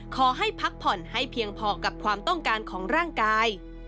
ขอให้พักผ่อนให้เพียงพอกับความต้องการของร่างกาย